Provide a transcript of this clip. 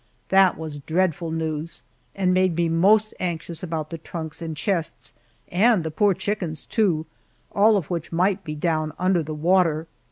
That was dreadful news and made me most anxious about the trunks and chests, and the poor chickens, too, all of which might be down under the water.